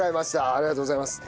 ありがとうございます。